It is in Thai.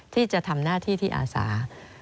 ที่จะทำหน้าที่ที่อาสา